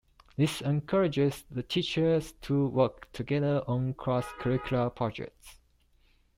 This encourages teachers to work together on cross-curricular projects.